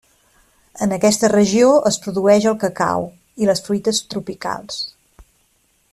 En aquesta regió es produeix el cacau, i les fruites tropicals.